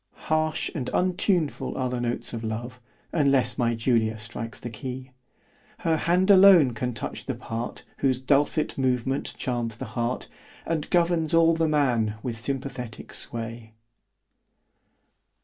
O D E. Harsh and untuneful are the notes of love, Unless my Julia strikes the key, Her hand alone can touch the part, Whose dulcet movement charms the heart, _And governs all the man with sympathetick sway.